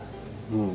うん。